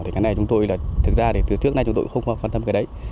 thì cái này chúng tôi là thực ra thì từ trước nay chúng tôi cũng không quan tâm cái đấy